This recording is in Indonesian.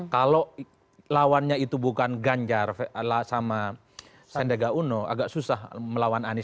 kalau lawannya itu bukan ganjar sama sendega uno agak susah melawan anies